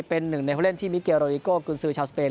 เป็นหนึ่งในผู้เล่นที่มิเกลโรดิโกกุญซือชาวสเปน